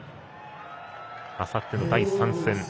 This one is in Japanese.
あさっての第３戦。